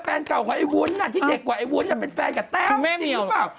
แฟนเก่าของไอ้วุ้นที่เด็กกว่าไอ้วุ้นเป็นแฟนกับแต้มจริงหรือเปล่า